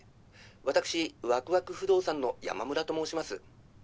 私ワクワク不動産の山村と申します。